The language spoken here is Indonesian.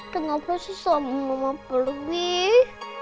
kenapa susah sama mama pelubih